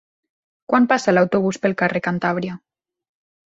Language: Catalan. Quan passa l'autobús pel carrer Cantàbria?